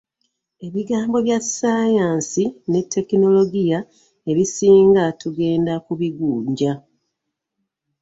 Ebigambo bya ssaayansi ne tekinologiya ebisinga tugenda kubigunja.